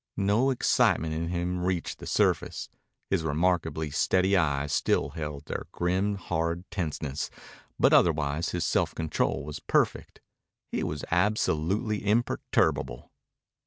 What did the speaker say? No excitement in him reached the surface. His remarkably steady eyes still held their grim, hard tenseness, but otherwise his self control was perfect. He was absolutely imperturbable.